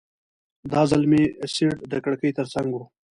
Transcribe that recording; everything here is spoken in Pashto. دا ځل مې سیټ د کړکۍ ترڅنګ و.